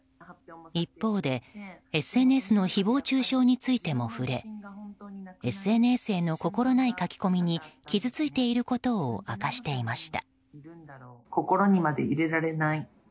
一方で、ＳＮＳの誹謗中傷についても触れＳＮＳへの心ない書き込みに傷ついていることを明かしていました。